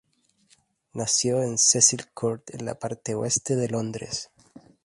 Nació en Cecil Court en la parte oeste de Londres.